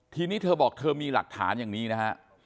ทีนี้เธอบอกเธอมีหลักฐานยังมีนะ